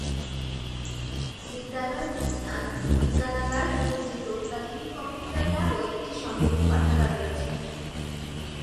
বিদ্যালয়ে দুইটি আধুনিক বিজ্ঞানাগার, সুসজ্জিত অত্যাধুনিক কম্পিউটার ল্যাব ও একটি সমৃদ্ধ পাঠাগার রয়েছে।